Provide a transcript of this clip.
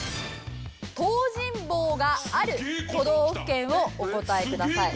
東尋坊がある都道府県をお答えください。